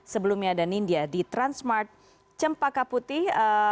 sebelumnya dan india di transmart cempaka putih